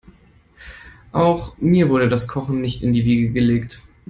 Auch mir wurde das Kochen nicht in die Wiege gelegt.